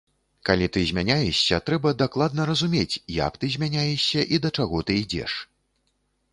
Калі ты змяняешся, трэба дакладна разумець, як ты змяняешся і да чаго ты ідзеш.